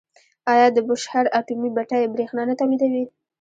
آیا د بوشهر اټومي بټۍ بریښنا نه تولیدوي؟